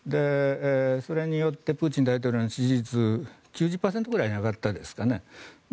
それによってプーチン大統領の支持率９０％に上がったんですかね